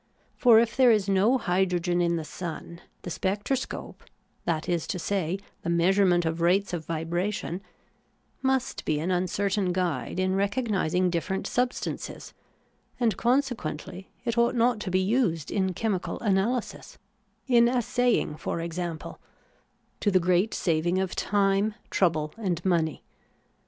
For if there is no hydrogen in the sun, the spectroscope — that is to say, the measure ment of rates of vibration — must be an uncertain guide in recognizing different substances ; and consequently it ought not to be used in chemical analysis — in assaying, for example — to the great saving of time, trouble, and money.